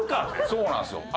そうなんですよ。